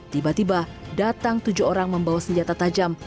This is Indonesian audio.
tiba tiba datang tujuh orang membawa senjata tajam